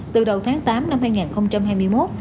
từ đầu tháng tám năm hai nghìn hai mươi một